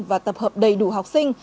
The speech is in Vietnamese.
và tập hợp đầy đủ học sinh